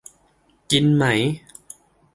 กินไหม ?